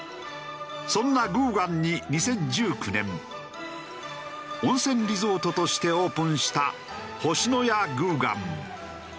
そんなグーグァンに２０１９年温泉リゾートとしてオープンした星のやグーグァン。